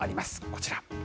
こちら。